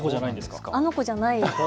あの子じゃないんです。